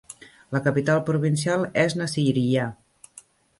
La capital provincial és Nasiriyah.